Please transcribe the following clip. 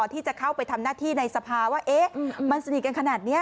ที่จะเข้าไปทำหน้าที่ในสภาว่ามันสนิทกันขนาดนี้